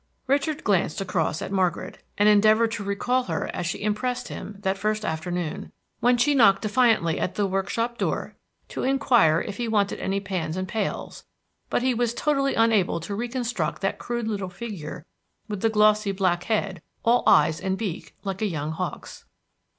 Richard glanced across at Margaret, and endeavored to recall her as she impressed him that first afternoon, when she knocked defiantly at the workshop door to inquire if he wanted any pans and pails; but he was totally unable to reconstruct that crude little figure with the glossy black head, all eyes and beak, like a young hawk's.